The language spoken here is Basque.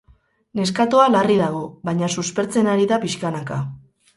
Neskatoa larri dago, baina suspertzen ari da pixkanaka.